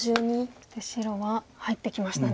そして白は入ってきましたね。